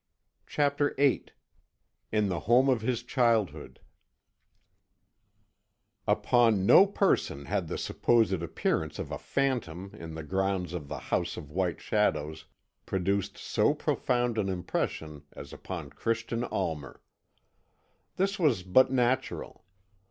CHAPTER VIII IN THE HOME OF HIS CHILDHOOD Upon no person had the supposed appearance of a phantom in the grounds of the House of White Shadows produced so profound an impression as upon Christian Almer. This was but natural.